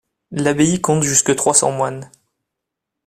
L'abbaye compte jusque trois cents moines.